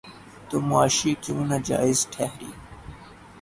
تو معاشی کیوں ناجائز ٹھہری؟